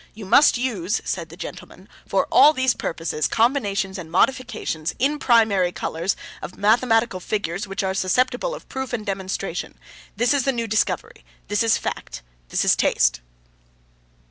You must use,' said the gentleman, 'for all these purposes, combinations and modifications (in primary colours) of mathematical figures which are susceptible of proof and demonstration. This is the new discovery. This is fact. This is taste.